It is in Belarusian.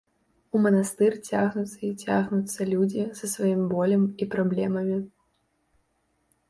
У манастыр цягнуцца й цягнуцца людзі са сваім болем і праблемамі.